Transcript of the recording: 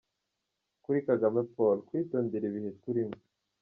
Kuri Kagame Paul: Kwitondera ibihe turimo.